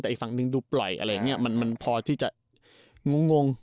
แต่อีกฝั่งนึงดูปล่อยมันพอที่จะงง